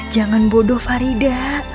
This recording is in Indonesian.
jangan bodoh farida